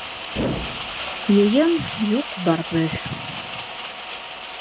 Йыйын юҡ-барҙы...